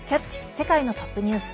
世界のトップニュース」。